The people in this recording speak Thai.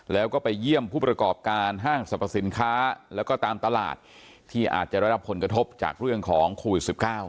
แล้วก็ไปเยี่ยมผู้ประกอบการห้างสรรพสินค้าแล้วก็ตามตลาดที่อาจจะได้รับผลกระทบจากเรื่องของโควิด๑๙